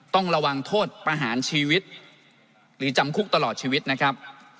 ต้องระวังโทษประหารชีวิตหรือจำคุกตลอดชีวิตนะครับ